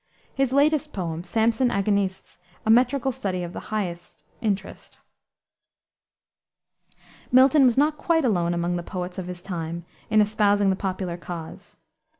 His latest poem, Samson Agonistes, a metrical study of the highest interest. Milton was not quite alone among the poets of his time in espousing the popular cause.